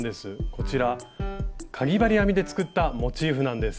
こちらかぎ針編みで作ったモチーフなんです。